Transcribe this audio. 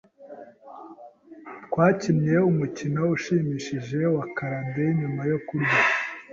Twakinnye umukino ushimishije wa charade nyuma yo kurya.